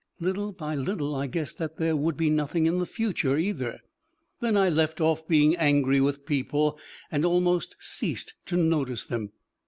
Little by little I guessed that there would be nothing in the future either. Then I left off being angry with people and almost ceased to notice them.